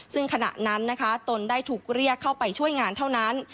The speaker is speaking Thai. ซึ่งขณะนั้นนะคะตนได้ถูกเรียกเข้าไปช่วยงานเท่านั้น